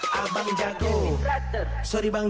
กลับลง